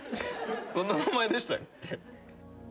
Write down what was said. そんな名前でしたっけ？